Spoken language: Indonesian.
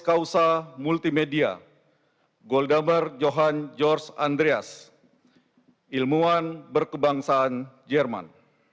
doktor of honoris causa multimedia goldamar johan george andreas ilmuwan berkebangsaan jerman